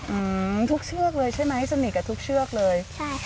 อืมทุกเชือกเลยใช่ไหมสนิทกับทุกเชือกเลยใช่ค่ะ